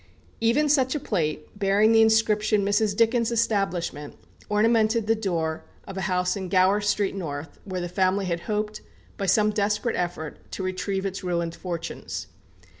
Even such a plate, bearing the inscription, Mrs. Dickens's Establishment, ornamented the door of a house in Gower Street North, where the family had hoped, by some desperate effort, to retrieve its ruined fortunes.